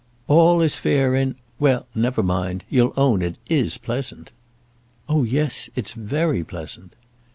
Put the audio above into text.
"All is fair in Well, never mind, you'll own it is pleasant." "Oh, yes; it's very pleasant."